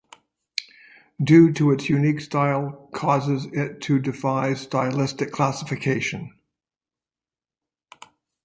Due to its unique style causes it to defies stylistic classification.